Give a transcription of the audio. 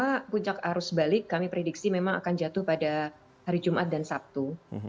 karena puncak arus balik kami prediksi memang akan jatuh pada hari jumat dan sabtu